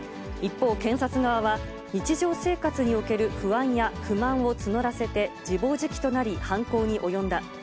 一方、検察側は、日常生活における不安や不満を募らせて、自暴自棄となり、犯行に及んだ。